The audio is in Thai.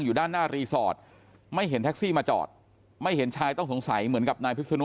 อยู่ด้านหน้ารีสอร์ทไม่เห็นแท็กซี่มาจอดไม่เห็นชายต้องสงสัยเหมือนกับนายพิศนุ